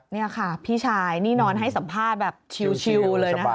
นี่ค่ะพี่ชายนี่นอนให้สัมภาษณ์แบบชิวเลยนะคะ